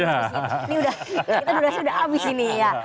ini sudah abis ini ya